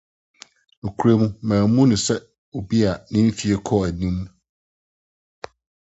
Nokwarem, mammu no sɛ obi a ne mfe akɔ anim.